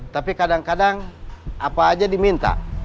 tapi kadang kadang apa aja diminta